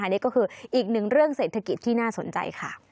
นี่ก็คืออีกหนึ่งเรื่องเศรษฐกิจที่น่าสนใจค่ะ